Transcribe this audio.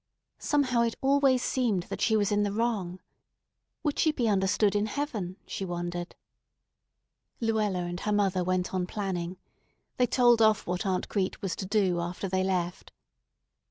Somehow it always seemed that she was in the wrong. Would she be understood in heaven? she wondered. Luella and her mother went on planning. They told off what Aunt Crete was to do after they left.